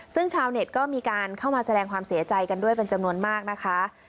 ซึ่งชาวเน็ตก็มีการเข้ามาแสดงความเสียใจกันด้วยเป็นจำนวนมากนะคะ